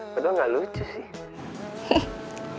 padahal gak lucu sih